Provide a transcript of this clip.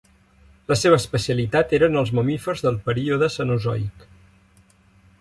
La seva especialitat eren els mamífers del període Cenozoic.